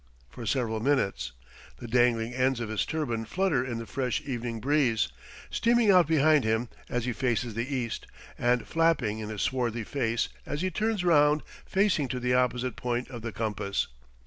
for several minutes; the dangling ends of his turban flutter in the fresh evening breeze, streaming out behind him as he faces the east, and flapping in his swarthy face as he turns round facing to the opposite point of the compass.